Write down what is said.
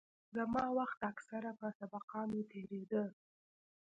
زما وخت اکثره په سبقانو تېرېده.